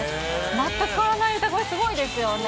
全く変わらない歌声、すごいですよね。